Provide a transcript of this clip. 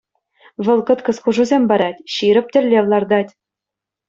Вӑл кӑткӑс хушусем парать, ҫирӗп тӗллев лартать.